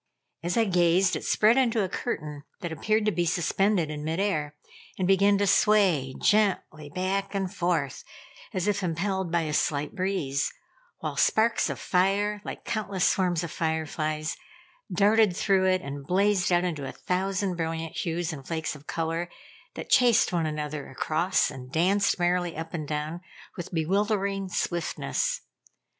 As I gazed, it spread into a curtain that appeared to be suspended in mid air, and began to sway gently back and forth, as if impelled by a slight breeze, while sparks of fire, like countless swarms of fire flies, darted through it and blazed out into a thousand brilliant hues and flakes of color that chased one another across and danced merrily up and down with bewildering swiftness.